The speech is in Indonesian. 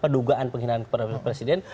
dugaan pengkhianat presiden